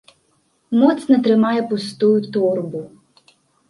Моцна трымае пустую торбу.